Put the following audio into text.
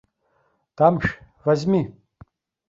Дамшә, возьми!